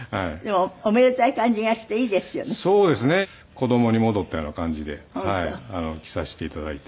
子供に戻ったような感じで着させて頂いて。